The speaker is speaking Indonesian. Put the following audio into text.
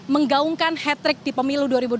menggaungkan hat trick di pemilu dua ribu dua puluh